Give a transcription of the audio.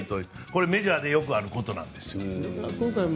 これメジャーでよくあることなんです。